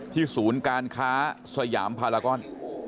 ศูนย์การค้าสยามพารากอน